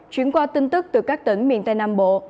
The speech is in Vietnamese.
chuyển qua tin tức từ các tỉnh miền tây nam bộ